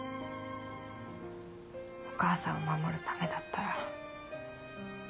お母さんを守るためだったら。